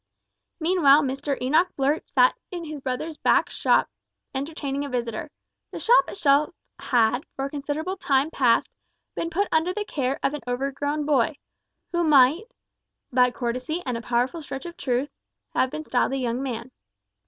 Meanwhile Mr Enoch Blurt sat in his brother's back shop entertaining a visitor. The shop itself had, for a considerable time past, been put under the care of an overgrown boy, who might by courtesy and a powerful stretch of truth have been styled a young man.